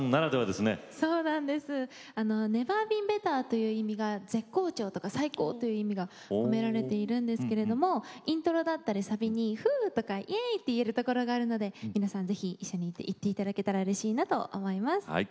「ＮｅｖｅｒＢｅｅｎＢｅｔｔｅｒ！」という意味が絶好調とか最高という意味が込められているんですけれどもイントロだったりサビに「フゥ！」とか「イェーイ！」って言えるところがあるので皆さんぜひ一緒に言って頂けたらうれしいなと思います。